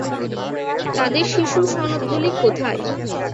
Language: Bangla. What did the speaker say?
তাদের শিশু সনদগুলি কোথায়?